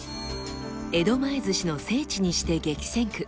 江戸前鮨の聖地にして激戦区